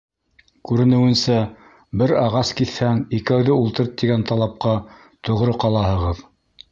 — Күренеүенсә, бер ағас киҫһәң, икәүҙе ултырт, тигән талапҡа тоғро ҡалаһығыҙ...